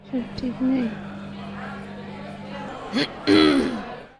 সব ঠিক নেই।